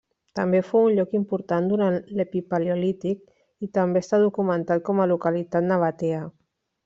També fou un lloc important durant l'epipaleolític i també està documentat com a localitat nabatea.